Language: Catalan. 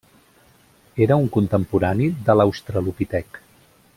Era un contemporani de l'australopitec.